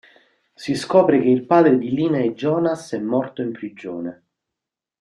Si scopre che il padre di Lina e Jonas è morto in prigione.